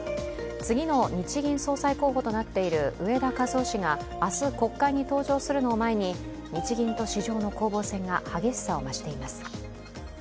次の日銀総裁候補となっている植田和男氏が明日、国会に登場するのを前に日銀と市場の攻防戦が激しさを増しています。